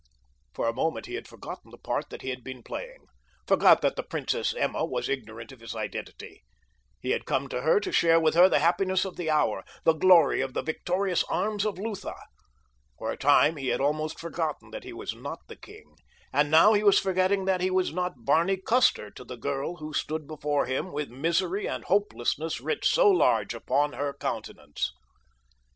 For a moment he had forgotten the part that he had been playing—forgot that the Princess Emma was ignorant of his identity. He had come to her to share with her the happiness of the hour—the glory of the victorious arms of Lutha. For a time he had almost forgotten that he was not the king, and now he was forgetting that he was not Barney Custer to the girl who stood before him with misery and hopelessness writ so large upon her countenance.